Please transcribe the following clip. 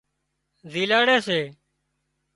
زيلاڙي سي